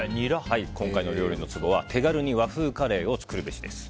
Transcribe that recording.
今回の料理のツボは手軽に和風カレーを作るべしです。